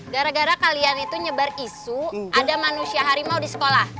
gara gara kalian itu nyebar isu ada manusia harimau di sekolah